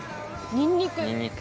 ニンニク。